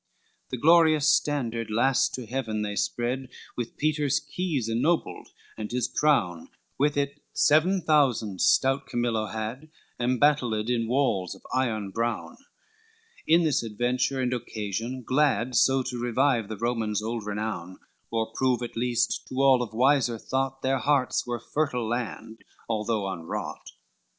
LXIV The glorious standard last to Heaven they sprad, With Peter's keys ennobled and his crown, With it seven thousand stout Camillo had, Embattailed in walls of iron brown: In this adventure and occasion, glad So to revive the Romans' old renown, Or prove at least to all of wiser thought, Their hearts were fertile land although unwrought.